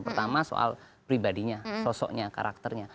pertama soal pribadinya sosoknya karakternya